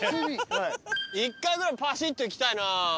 １回ぐらいぱしっといきたいな。